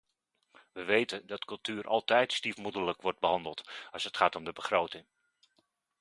We weten dat cultuur altijd stiefmoederlijk wordt behandeld als het gaat om de begroting.